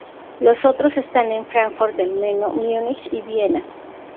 Los otros están en Fráncfort del Meno, Múnich y Viena.